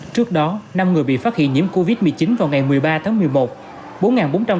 trước đó năm người bị phát hiện nhiễm covid một mươi chín vào ngày một mươi ba tháng một mươi một